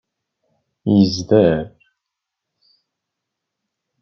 Yezder.